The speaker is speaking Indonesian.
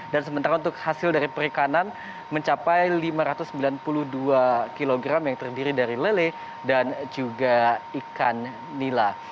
dan sementara untuk hasil dari perikanan mencapai lima ratus sembilan puluh dua kg yang terdiri dari lele dan juga ikan nila